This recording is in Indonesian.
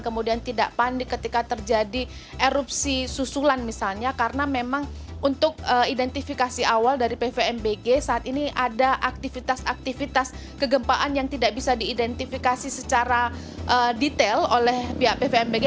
kemudian tidak panik ketika terjadi erupsi susulan misalnya karena memang untuk identifikasi awal dari pvmbg saat ini ada aktivitas aktivitas kegempaan yang tidak bisa diidentifikasi secara detail oleh pihak pvmbg